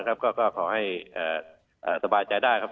ก็ขอให้สบายใจได้ครับ